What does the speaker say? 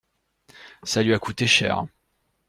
Ça lui a coûté cher.